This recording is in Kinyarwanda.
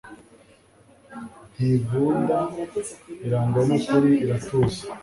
ntivunda, irangwa n'ukuri, iratuza